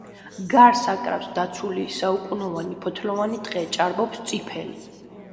გარს აკრავს დაცული საუკუნოვანი ფოთლოვანი ტყე, ჭარბობს წიფელი.